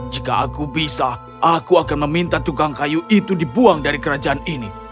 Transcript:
jika aku bisa aku akan meminta tukang kayu itu dibuang dari kerajaan ini